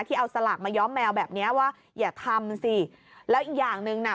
ที่เอาสลากมาย้อมแมวแบบเนี้ยว่าอย่าทำสิแล้วอีกอย่างหนึ่งน่ะ